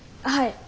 はい。